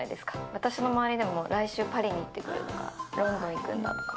私の周りでも来週パリに行ってくるとか、ロンド行くんだとか。